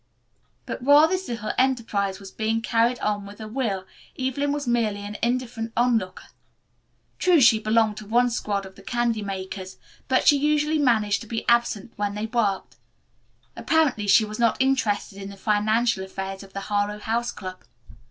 But while this little enterprise was being carried on with a will Evelyn was merely an indifferent onlooker. True she belonged to one squad of the candy makers, but she usually managed to be absent when they worked. Apparently she was not interested in the financial affairs of the Harlowe House Club.